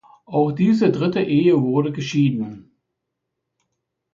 Auch diese dritte Ehe wurde geschieden.